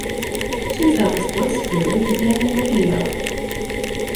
Tufeld's voice career began in radio.